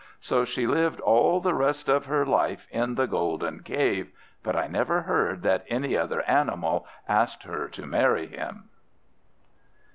So she lived all the rest of her life in the Golden Cave, but I never heard that any other animal asked her to marry him.